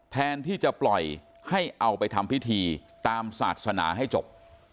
แทนที่จะปล่อยให้เอาไปทำพิธีตามศาสนาให้จบ